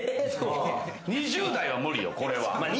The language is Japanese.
２０代は無理よ、これは。